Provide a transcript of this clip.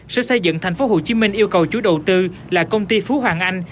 sự xây dựng thành phố hồ chí minh yêu cầu chủ đầu tư là công ty phú hoàng anh